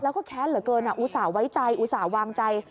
แล้วก็แค้นเหลือเกินอุตส่าห์ไว้ใจอุตส่าห์วางใจ